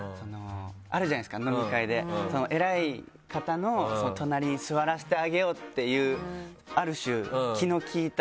あるじゃないですか飲み会で偉い方の隣に座らせてあげようっていう。